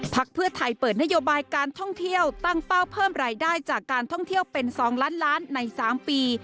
เพื่อไทยเปิดนโยบายการท่องเที่ยวตั้งเป้าเพิ่มรายได้จากการท่องเที่ยวเป็น๒ล้านล้านใน๓ปี